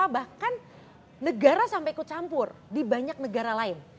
bahkan negara sampai ikut campur di banyak negara lain